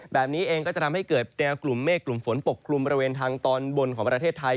แบบนี้เองก็จะทำให้เกิดแนวกลุ่มเมฆกลุ่มฝนปกกลุ่มบริเวณทางตอนบนของประเทศไทย